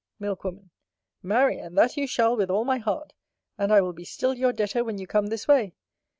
Milk woman. Marry, and that you shall with all my heart; and I will be still your debtor when you come this way.